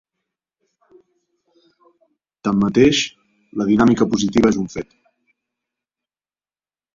Tanmateix, la dinàmica positiva és un fet.